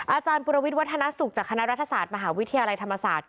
อาจารย์ปรวิทยวัฒนสุขจากคณะรัฐศาสตร์มหาวิทยาลัยธรรมศาสตร์